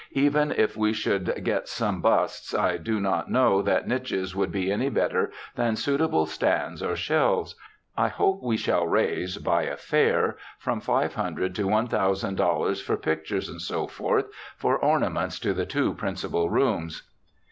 Even if we should get some busts I do not know that niches would be any better than suitable stands or shelves. I hope we shall raise, by a fair, from five hundred to one thousand dollars for pictures, &c., for ornaments to the two principal rooms.'